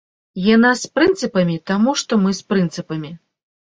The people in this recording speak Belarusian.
Яна з прынцыпамі, таму што мы з прынцыпамі.